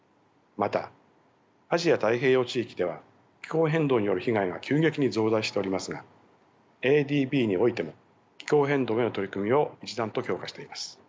またアジア・太平洋地域では気候変動による被害が急激に増大しておりますがＡＤＢにおいても気候変動への取り組みを一段と強化しています。